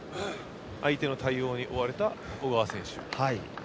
相手の対応に追われた小川選手。